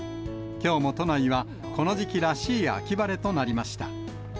きょうも都内は、この時期らしい秋晴れとなりました。